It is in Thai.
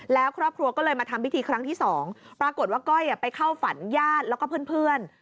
แล้วครอบครัวก็เลยมาทำพิธีครั้งที่๒ปรากฏว่าก้อยไปเข้าฝันญาติแล้วก็เพื่อน